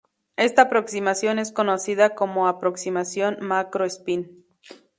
Esta aproximación es conocida como aproximación "macro-spin".